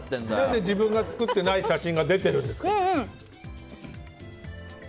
何で自分が作ってない写真が出てるんですか？